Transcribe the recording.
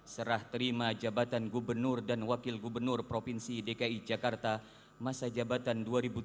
serah terima jabatan gubernur dan wakil gubernur provinsi dki jakarta masa jabatan dua ribu tujuh belas dua ribu dua puluh dua